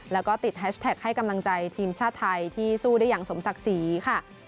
แล้วก็ติดแฮชแท็กให้กำลังใจทีมชาติไทยที่สู้ได้อย่างสมศักดิ์ศรีค่ะ